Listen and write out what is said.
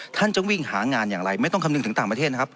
ท่านจะวิ่งหางานอย่างไรไม่ต้องคำนึงถึงต่างประเทศนะครับ